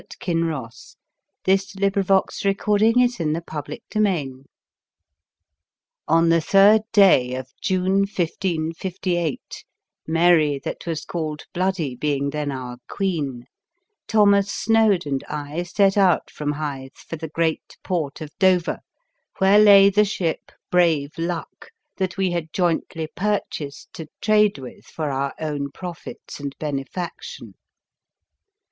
Witnessed by Evan the Welshman, Town Clerk, Chapter I ON the third day of June, 1558, Mary that was called Bloody being then our Queen, Thomas Snoad and I set out from Hythe for the great port of Dover, where lay the ship Brave Luck that we had jointly pur chased to trade with for our own profits and benefaction.